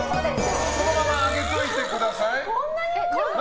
そのまま上げておいてください。